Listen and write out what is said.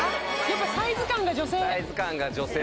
⁉やっぱサイズ感が女性。